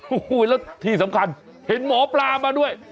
โอ้โหแล้วที่สำคัญเห็นหมอปลามาด้วย